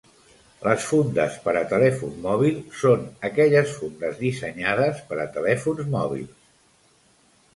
Les fundes per a telèfon mòbil són aquelles fundes dissenyades per a telèfons mòbils.